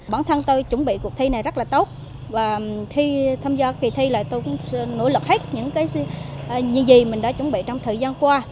bản thân tôi chuẩn bị cuộc thi này rất là tốt và khi tham gia kỳ thi là tôi cũng nỗ lực hết những gì mình đã chuẩn bị trong thời gian qua